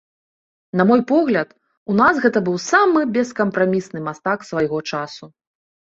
На мой погляд, у нас гэта быў самы бескампрамісны мастак свайго часу.